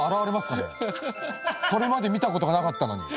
それまで見た事がなかったのに。